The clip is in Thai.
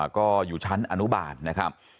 ก็อยู่ชั้นอนุบาลนะครับ